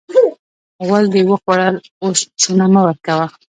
غول دې وخوړل؛ اوس چونه مه ورکوه.